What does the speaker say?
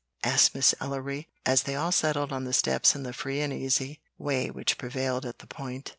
asked Miss Ellery, as they all settled on the steps in the free and easy way which prevailed at the Point.